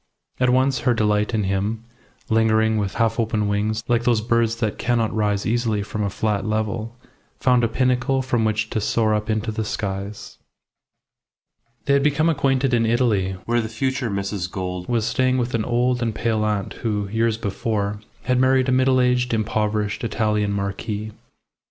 And at once her delight in him, lingering with half open wings like those birds that cannot rise easily from a flat level, found a pinnacle from which to soar up into the skies. They had become acquainted in Italy, where the future Mrs. Gould was staying with an old and pale aunt who, years before, had married a middle aged, impoverished Italian marquis.